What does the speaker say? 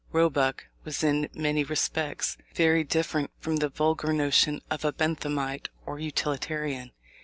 Roebuck was in many respects very different from the vulgar notion of a Benthamite or Utilitarian.